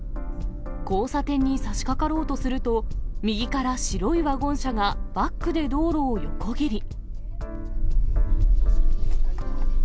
交差点にさしかかろうとすると、右から白いワゴン車がバックで道路を横切り。